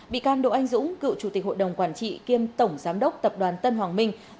bị can đỗ anh dũng cựu chủ tịch hội đồng quản trị kiêm tổng giám đốc tập đoàn tân hoàng minh